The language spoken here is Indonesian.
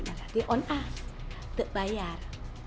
berarti on us tidak bayar